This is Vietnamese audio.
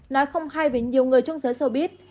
nói không hay với nhiều người trong giới showbiz